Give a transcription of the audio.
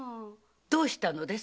どうしたのです？